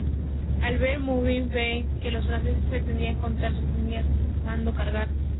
Al ver Murad Bey que los franceses pretendían cortar sus líneas mandó cargar.